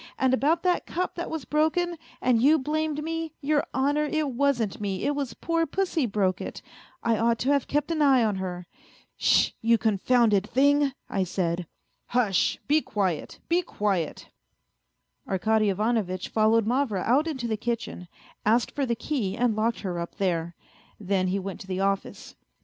And about that cup that was broken, and you blamed me, your honour, it wasn't me, it was poor pussy broke it, I ought to have kept an eye on her. ' S sh, you confounded thing,' I said." " Hush, be quiet, be quiet 1 " Arkady Ivanovitch followed Mavra out into the kitchen, asked for the key and locked her up there. Then he went to the office.